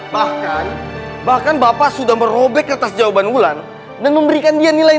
bahkan bahkan bapak sudah merobek atas jawaban ulang dan memberikan dia nilai